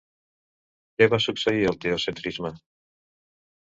Què va succeir al teocentrisme?